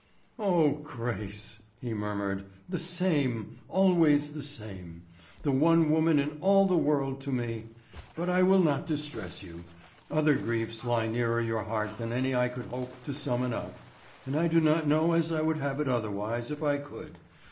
"O Grace," he murmured; "the same! always the same; the one woman in all the world to me! But I will not distress you. Other griefs lie nearer your heart than any I could hope to summon up, and I do not know as I would have it otherwise if I could.